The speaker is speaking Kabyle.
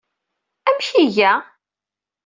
Amek ay iga?